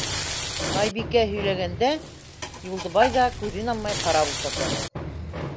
Айбикә һөйләгәндә, Юлдыбай ҙа күҙен алмай ҡарап ултырҙы.